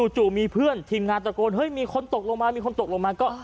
จู่มีเพื่อนทีมงานตะโกนเฮ้ยมีคนตกลงมามีคนตกลงมาก็